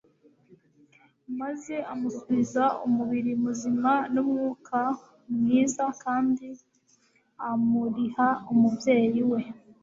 maze amusubiza umubiri muzima n'umwuk : inwiza kandi amLiha umubyeyi we,